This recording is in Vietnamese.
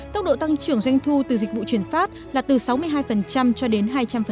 tốc độ tăng trưởng doanh thu từ dịch vụ chuyển phát là từ sáu mươi hai cho đến hai trăm linh